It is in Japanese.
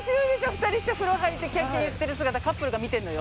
２人して風呂入ってキャッキャ言ってる姿カップルが観てるのよ。